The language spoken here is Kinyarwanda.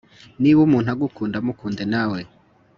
niba umuntu agukunda mukunde nawe